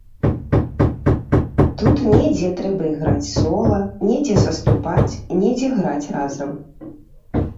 Тут недзе трэба іграць сола, недзе саступаць, недзе граць разам.